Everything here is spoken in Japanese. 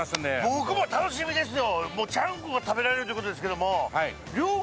僕も楽しみですよ。